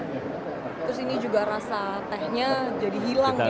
terus ini juga rasa tehnya jadi hilang ya